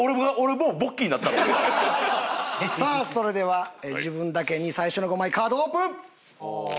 もうさあそれでは自分だけに最初の５枚カードオープン！